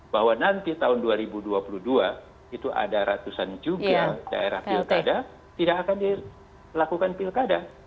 bahwa nanti tahun dua ribu dua puluh dua itu ada ratusan juga daerah pilkada tidak akan dilakukan pilkada